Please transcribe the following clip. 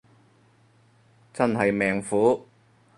真係命苦